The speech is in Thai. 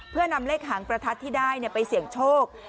เพื่อนำเลขหางประทัดที่ได้ไปเสี่ยงโชค